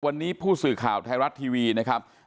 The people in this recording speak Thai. วันนี้ผู้สื่อข่าวไทยรัฐทีวีนะครับ